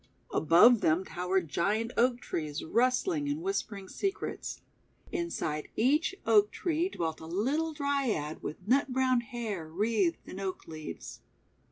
Above them towered giant Oak Trees rustling and whispering secrets. Inside each Oak Tree dwelt a little Dryad with nut brown hair wreathed in oak leaves.